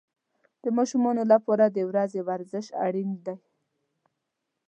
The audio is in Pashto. د ماشومانو لپاره د ورځې ورزش اړین دی.